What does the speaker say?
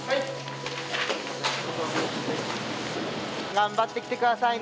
頑張ってきて下さいね。